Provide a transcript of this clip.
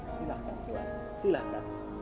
silahkan tuhan silahkan